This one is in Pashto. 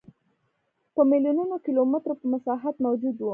په میلیونونو کیلومترو په مساحت موجود و.